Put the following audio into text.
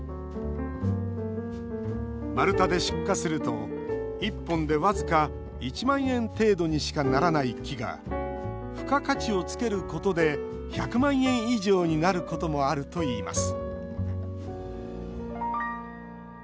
丸太で出荷すると１本で僅か１万円程度にしかならない木が付加価値をつけることで１００万円以上になることもあるといいます